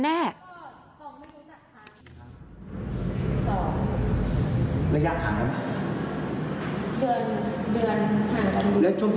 หลังจากนั้นก็มีการสนทนากันกันเหมือนเดิม